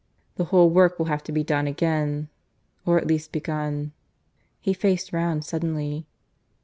The whole work will have to be done again, or at least begun " He faced round suddenly.